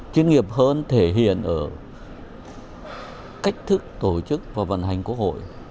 chuyên nghiệp hơn thể hiện ở cách thức tổ chức và vận hành quốc hội